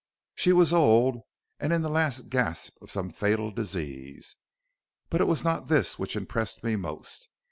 "She was old and in the last gasp of some fatal disease. But it was not this which impressed me most.